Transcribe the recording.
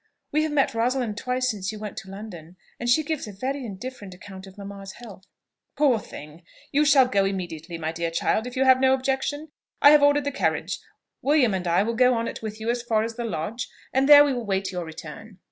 We have met Rosalind twice since you went to London, and she gives a very indifferent account of mamma's health." "Poor thing! you shall go immediately, my dear child; if you have no objection. I have ordered the carriage. William and I will go in it with you as far as the Lodge, and there we will wait your return.